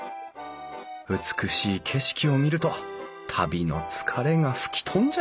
美しい景色を見ると旅の疲れが吹き飛んじゃうよ